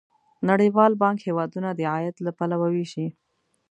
نړیوال بانک هیوادونه د عاید له پلوه ویشي.